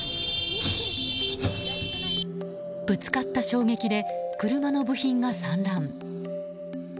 ぶつかった衝撃で車の部品が散乱。